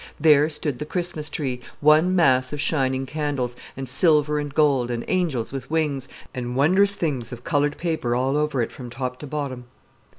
There stood the Christmas tree, one mass of shining candles, and silver and gold, and angels with wings, and wondrous things of colored paper all over it from top to bottom.